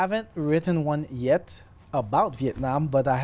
và họ hiểu tôi